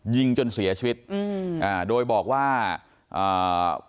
ยิงจนเสียชีวิตอืมอ่าโดยบอกว่าอ่า